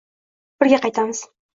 Birga qaytamiz.